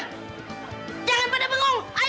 tidak tidak tidak tidak tidak tidak